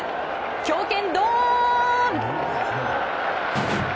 強肩ドーン！